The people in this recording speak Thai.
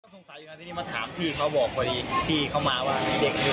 สงสัยอยู่นะที่นี่มาถามคือเค้าบอกว่าดีพี่เค้ามาว่าเด็กหนึ่ง